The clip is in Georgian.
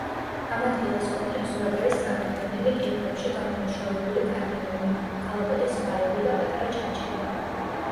ამ ადგილას კომპლექსურად არის წარმოდგენილი კირქვებში გამომუშავებული კანიონები, კალაპოტის ღარები და პატარა ჩანჩქერი.